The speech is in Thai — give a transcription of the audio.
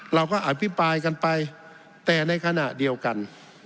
เราก็อภิปรายกันไปแต่ในขณะเดียวกัน